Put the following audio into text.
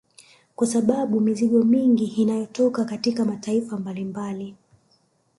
Kwa sababu mizigo mingi inayotoka katika mataifa mbalimbali